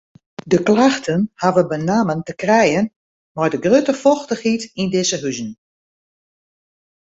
De klachten ha benammen te krijen mei de grutte fochtichheid yn dizze huzen.